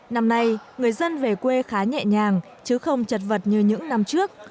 năm nay người dân về quê khá nhẹ nhàng chứ không chật vật như những năm trước